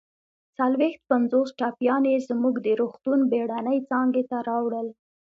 څلويښت پنځوس ټپیان يې زموږ د روغتون بېړنۍ څانګې ته راوړل